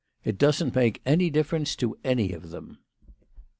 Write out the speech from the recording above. IT DOESN'T MAKE ANY DIFFERENCE TO ANY OF THEM.